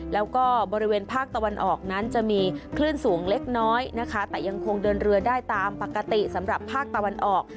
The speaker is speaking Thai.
แล้วก็บริเวณภาคตะวันออกนั้นจะมีคลื่นสูงเล็กน้อยนะคะแต่ยังคงเดินเรือได้ตามปกติสำหรับภาคตะวันออก